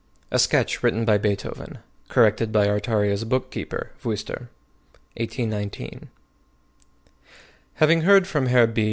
A SKETCH WRITTEN BY BEETHOVEN, Corrected by Artaria's Bookkeeper, Wuister. 1819. Having heard from Herr B.